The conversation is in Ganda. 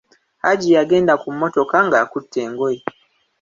Hajji yagenda ku mmotoka, ng'akutte engoye.